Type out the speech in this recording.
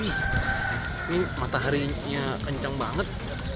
ini mataharinya kencang banget